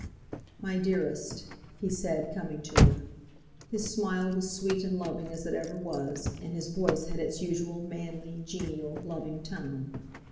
"My dearest," he said, coming to her. His smile was sweet and loving as it ever was, and his voice had its usual manly, genial, loving tone.